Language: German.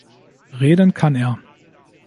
Reden kann er.